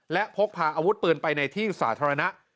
และพกพาอาวุธปืนไปในที่สาธารณะ